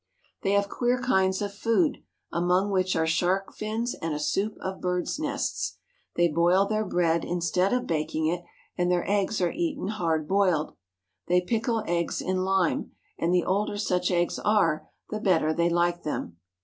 They have queer kinds of food, among which are shark fins and a soup of birds' nests. They boil their bread in stead of baking it, and their eggs are eaten hard boiled. They pickle eggs in lime, and the older such eggs are, the better they like them.